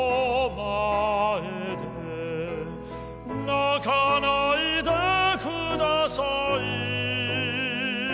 「泣かないでください」